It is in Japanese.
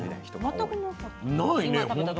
全くなかった。